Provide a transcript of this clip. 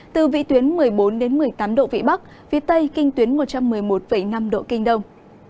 từ vị tuyến một mươi bốn một mươi tám độ vị bắc phía tây kinh tuyến một trăm một mươi một năm độ kinh đông